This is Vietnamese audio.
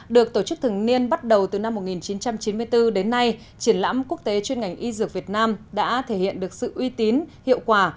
được tổ chức thường niên bắt đầu từ năm một nghìn chín trăm chín mươi bốn đến nay triển lãm quốc tế chuyên ngành y dược việt nam đã thể hiện được sự uy tín hiệu quả